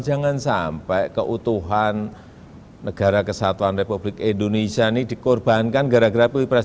jangan sampai keutuhan negara kesatuan republik indonesia ini dikorbankan gara gara pilpres